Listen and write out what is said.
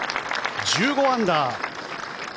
１５アンダー。